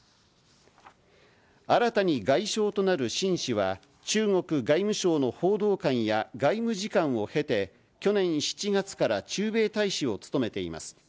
新たに外相となる秦氏は、中国外務省の報道官や、外務次官を経て、去年７月から駐米大使を務めています。